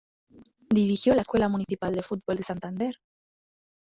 Dirigió la Escuela Municipal de Fútbol de Santander.